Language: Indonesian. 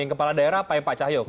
yang kepala daerah apa yang pak cahyo